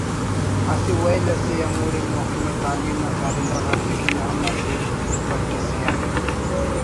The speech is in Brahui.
اسہ ویل اسے ہموڑے محکمہ تعلیم نا کارندہ غاتے کن ہم اسہ پٹ اسے آن